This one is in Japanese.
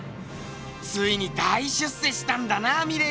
ついに大出世したんだなミレーちゃん。